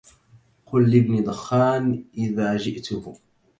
قل لابن دخان إذا جئته